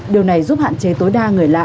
điều này giúp hạn chế tối đa người lạ